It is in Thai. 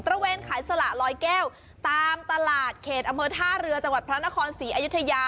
ระเวนขายสละลอยแก้วตามตลาดเขตอำเภอท่าเรือจังหวัดพระนครศรีอยุธยา